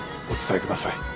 お伝えください